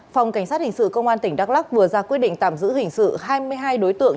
phòng cảnh sát hình sự công an tỉnh đắk lắc vừa ra quyết định tạm giữ hình sự hai mươi hai đối tượng